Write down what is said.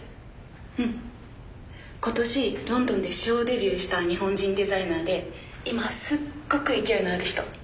うん今年ロンドンでショーデビューした日本人デザイナーで今すっごく勢いのある人。